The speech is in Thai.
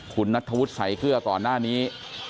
คุณนัทธวุษย์ไสเกื้อก่อนหน้านี้